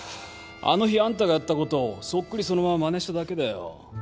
あの日あんたがやったことをそっくりそのまままねしただけだよ。